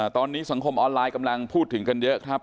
ตอนนี้สังคมออนไลน์กำลังพูดถึงกันเยอะครับ